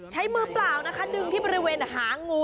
ใช้มือเปล่านะคะดึงที่บริเวณหางู